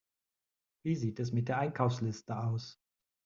Wie sieht es mit der Einkaufsliste aus?